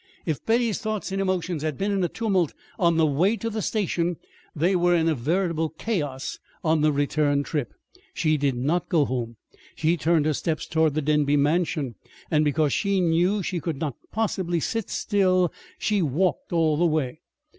If Betty's thoughts and emotions had been in a tumult on the way to the station, they were in a veritable chaos on the return trip. She did not go home. She turned her steps toward the Denby Mansion; and because she knew she could not possibly sit still, she walked all the way.